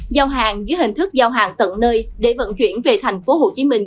giao hàng dưới hình thức giao hàng tận nơi để vận chuyển về thành phố hồ chí minh